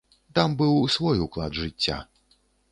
Там быў свой уклад жыцця.